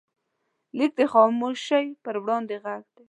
لیک د خاموشۍ پر وړاندې غږ دی.